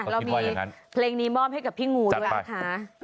เรามีเพลงนี้มอบให้กับพี่งูด้วยนะคะ